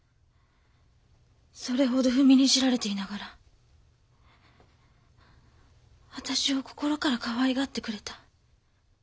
それほど踏みにじられていながら私を心からかわいがってくれた。